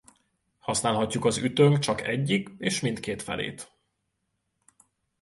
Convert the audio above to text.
Használhatjuk az ütőnk csak egyik és mindkét felét.